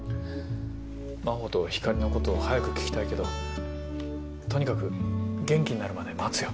真帆と光莉のこと早く聞きたいけどとにかく元気になるまで待つよ。